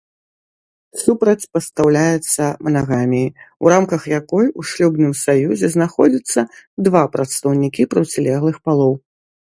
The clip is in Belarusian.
Супрацьпастаўляецца манагаміі, у рамках якой у шлюбным саюзе знаходзяцца два прадстаўнікі процілеглых палоў.